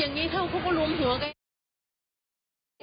อย่างงี้เขาก็รวมหัวกัน